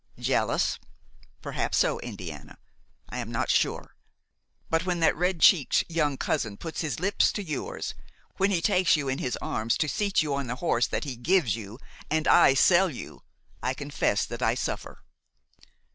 "Jealous? perhaps so, Indiana; I am not sure. But when that red cheeked young cousin puts his lips to yours, when he takes you in his arms to seat you on the horse that he gives you and I sell you, I confess that I suffer.